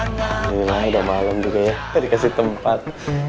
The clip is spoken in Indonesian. gila udah malem juga ya dikasih tempat